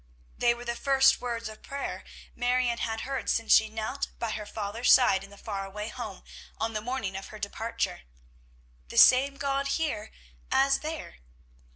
They were the first words of prayer Marion had heard since she knelt by her father's side in the far away home on the morning of her departure. "The same God here as there!"